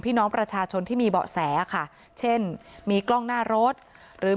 พี่น้องประชาชนที่มีเบาะแสค่ะเช่นมีกล้องหน้ารถหรือ